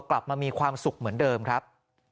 กลับมามีความสุขเหมือนเดิมครับ